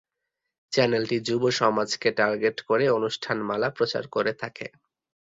চ্যানেলটি যুব সমাজকে টার্গেট করে অনুষ্ঠানমালা প্রচার করে থাকে।